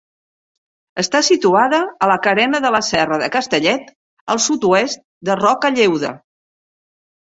Està situada a la carena de la Serra de Castellet, al sud-oest de Roca Lleuda.